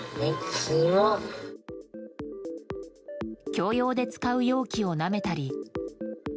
共用で使う容器をなめたり。